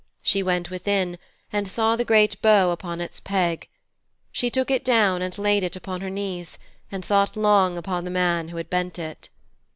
She went within, and saw the great bow upon its peg. She took it down and laid it upon her knees, and thought long upon the man who had bent it.